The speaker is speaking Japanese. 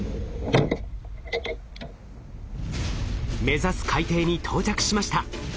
目指す海底に到着しました。